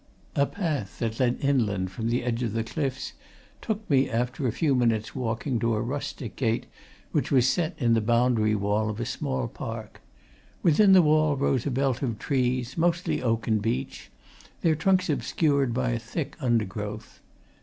A path that led inland from the edge of the cliffs took me after a few minutes' walking to a rustic gate which was set in the boundary wall of a small park; within the wall rose a belt of trees, mostly oak and beech, their trunks obscured by a thick undergrowth.